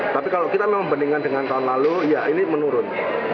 tapi kalau kita memang bandingkan dengan tahun lalu ya ini menurun